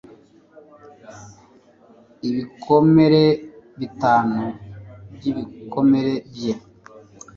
Ibikomere bitanu byibikomere bye